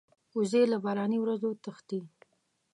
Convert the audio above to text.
وزې له باراني ورځو تښتي